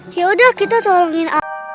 yaudah kita tolongin